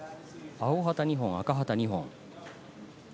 青旗２本、赤旗１本。